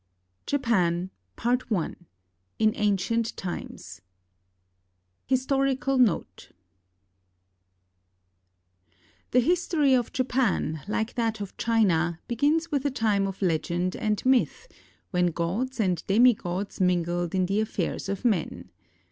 JAPAN I IN ANCIENT TIMES HISTORICAL NOTE The history of Japan, like that of China, begins with a time of legend and myth, when gods and demigods mingled in the affairs of men.